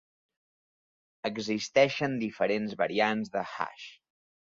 Existeixen diferents variants de "hash".